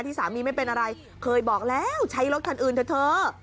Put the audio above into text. สามีไม่เป็นอะไรเคยบอกแล้วใช้รถคันอื่นเถอะ